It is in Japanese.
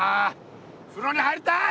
風呂に入りたい！